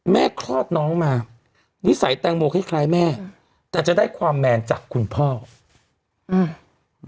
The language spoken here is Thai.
คลอดน้องมานิสัยแตงโมคล้ายคล้ายแม่แต่จะได้ความแมนจากคุณพ่ออืม